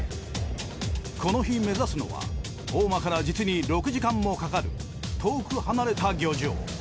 この日目指すのは大間から実に６時間もかかる遠く離れた漁場。